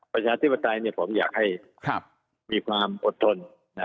ประชาธิปไตยผมอยากให้มีความอดทน